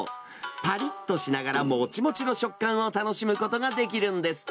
ぱりっとしながら、もちもちの食感を楽しむことができるんです。